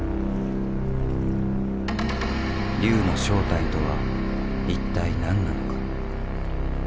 龍の正体とは一体何なのか？